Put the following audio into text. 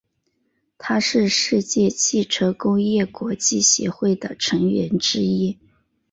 它是世界汽车工业国际协会的成员之一。